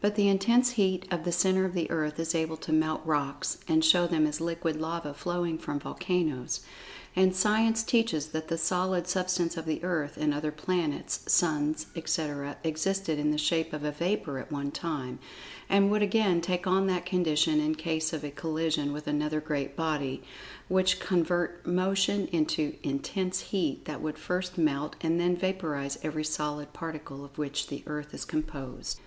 But the intense heat of the centre of the earth is able to melt rocks, and show them as liquid lava flowing from volcanoes, and Science teaches that the solid Substance of the Earth, and other planets, suns, etc., existed in the shape of a vapor at one time, and would again take on that condition in case of a collision with another great body, which convert motion into intense heat that would first melt, and then vaporize every solid particle of which the earth is composed.